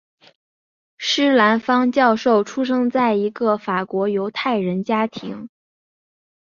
施兰芳教授出生在一个法国犹太人家庭。